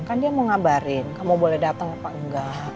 kan dia mau ngabarin kamu boleh datang apa enggak